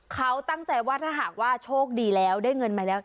เขาตั้งใจว่าถ้าหากว่าโชคดีแล้วได้เงินมาแล้ว